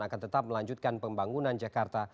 akan tetap melanjutkan pembangunan jakarta